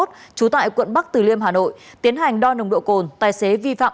trú tại quận bắc từ liêm hà nội tiến hành đo nồng độ cồn tài xế vi phạm